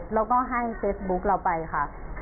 แล้วก็ให้เฟซบุ๊คเราไปค่ะ